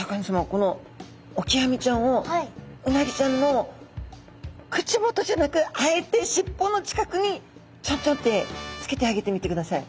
このオキアミちゃんをうなぎちゃんの口元じゃなくあえて尻尾の近くにチョンチョンッて付けてあげてみてください。